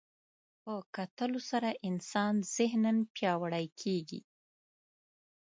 په کتلو سره انسان ذهناً پیاوړی کېږي